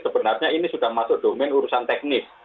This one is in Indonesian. sebenarnya ini sudah masuk domen urusan teknis